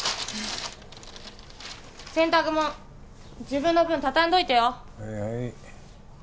洗濯物自分の分畳んどいてよ